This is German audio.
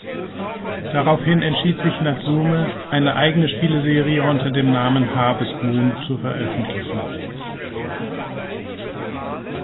Daraufhin entschied sich Natsume eine eigene Spieleserie unter dem Namen „Harvest Moon“ zu veröffentlichen.